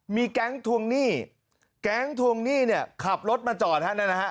มีแก๊งทวงหนี้แก๊งทวงหนี้เนี่ยขับรถมาจอดฮะนั่นนะฮะ